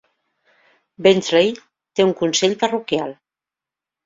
Bentley té un Consell parroquial.